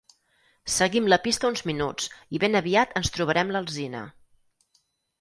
Seguim la pista uns minuts i ben aviat ens trobarem l'alzina.